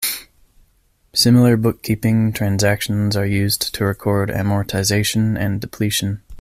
Similar bookkeeping transactions are used to record amortization and depletion.